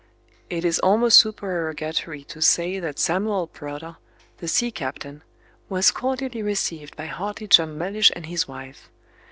It is almost supererogatory to say that Samuel Prodder, the sea captain, was cordially received by hearty John Mellish and his wife.